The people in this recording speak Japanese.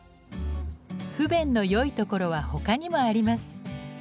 不便のよいところはほかにもあります。